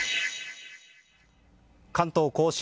関東・甲信